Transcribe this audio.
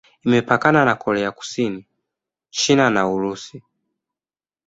Imepakana na Korea Kusini, China na Urusi.